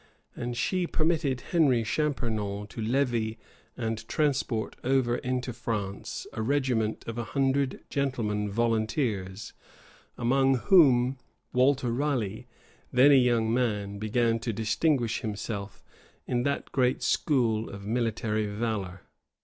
And she permitted Henry Champernon to levy, and transport over into France, a regiment of a hundred gentlemen volunteers; among whom Walter Raleigh, then a young man, began to distinguish himself, in that great school of military valor.